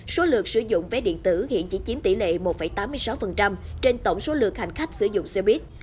số lượt sử dụng vé điện tử hiện chỉ chiếm tỷ lệ một tám mươi sáu trên tổng số lượt hành khách sử dụng xe buýt